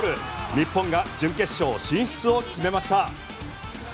日本が準決勝進出を決めました。